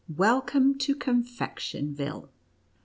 welcome to Confectionville